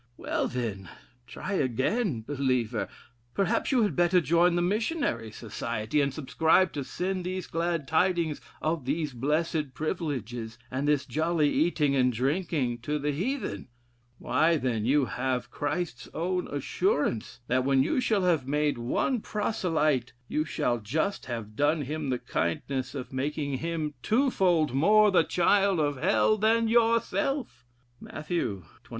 Well, then! try again, believer: perhaps you had better join the Missionary Society, and subscribe to send these glad tidings of these blessed privileges, and this jolly eating and drinking, to the Heathen. Why, then; you have Christ's own assurance, that when you shall have made one proselyte, you shall just have done him the kindness of making him twofold more the child of Hell than yourself. Mat. xxiii.